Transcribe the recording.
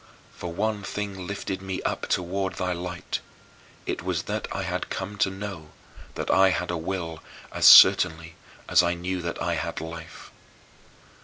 But one thing lifted me up toward thy light: it was that I had come to know that I had a will as certainly as I knew that I had life.